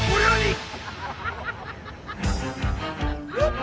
はい。